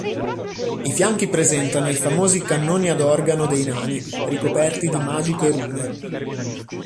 I fianchi presentano i famosi cannoni ad organo dei nani, ricoperti di magiche rune.